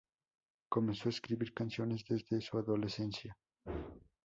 Comenzó a escribir canciones desde su adolescencia.